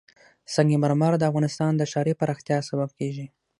سنگ مرمر د افغانستان د ښاري پراختیا سبب کېږي.